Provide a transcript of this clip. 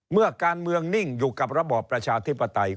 เมื่อการเมืองนิ่งอยู่กับระบอบประชาธิปไตย